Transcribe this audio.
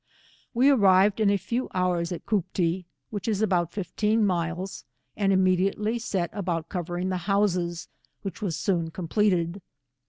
We arrived in a few hours at Cooptee, whick is about fifteen miles* and immediately g«t about covering the houses, which was soon com pleted.